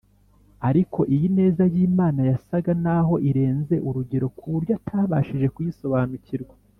ariko iyi neza y’Imana yasaga naho irenze urugero ku buryo atabashije kuyisobanukirwa